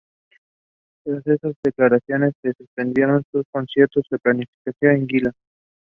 The other two home runners French King and Soft Light were given little chance.